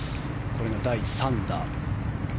これが第３打。